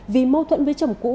vì mâu thuẫn với chồng cũ